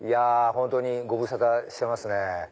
本当にご無沙汰してます。